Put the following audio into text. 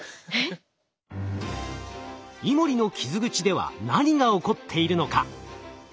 イモリの傷口では何が起こっているのか。